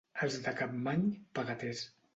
Els de Capmany, pegaters.